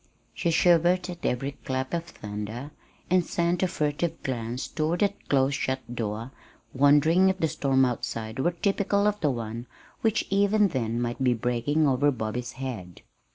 She shivered at every clap of thunder, and sent a furtive glance toward that close shut door, wondering if the storm outside were typical of the one which even then might be breaking over Bobby's head.